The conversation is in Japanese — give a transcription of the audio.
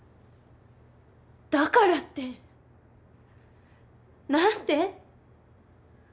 だからって何で！？